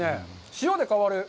塩で変わる。